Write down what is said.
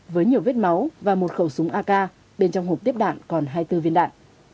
với nhiều vết máu và một khẩu súng ak bên trong hộp tiếp đạn còn hai mươi bốn viên đạn